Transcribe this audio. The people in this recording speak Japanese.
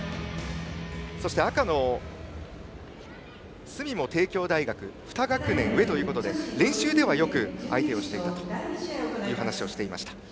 そして赤の角も帝京大学で２学年上ということで練習ではよく相手をしていたと話していました。